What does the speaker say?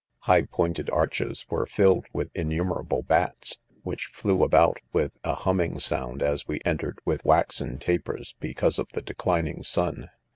High pointed arches were filled with innumerable bats, which flew about with a humming sound as we entered with waxen tapers, because of the declining sun.